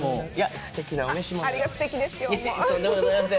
すてきなお召し物を。